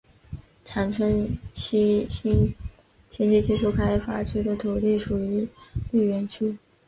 长春西新经济技术开发区的土地属于绿园区。